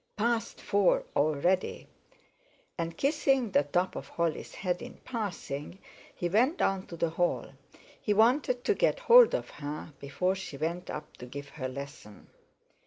Past four already! And kissing the top of Holly's head in passing, he went down to the hall. He wanted to get hold of her before she went up to give her lesson.